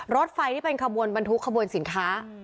รถไฟที่เป็นขบวนบรรทุกขบวนสินค้า